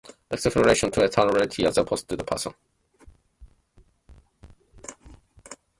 "Exoteric" relates to external reality as opposed to a person's thoughts or feelings.